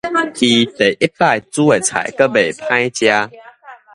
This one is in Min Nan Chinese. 伊第一擺煮的菜閣袂歹食